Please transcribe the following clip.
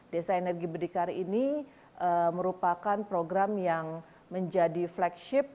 desa energi berdikar ini merupakan program yang menjadi flagship